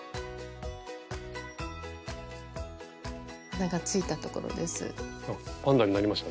鼻がついたところです。